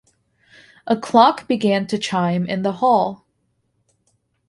A clock began to chime in the hall.